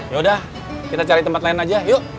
yaudah kita cari tempat lain aja yuk